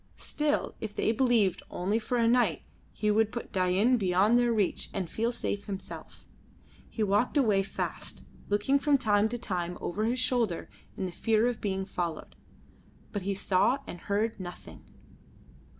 Still, if they believed only for a night, he would put Dain beyond their reach and feel safe himself. He walked away fast, looking from time to time over his shoulder in the fear of being followed, but he saw and heard nothing.